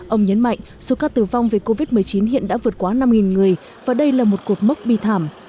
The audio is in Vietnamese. ông nhấn mạnh số ca tử vong về covid một mươi chín hiện đã vượt quá năm người và đây là một cột mốc bi thảm